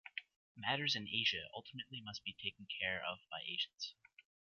Matters in Asia ultimately must be taken care of by Asians.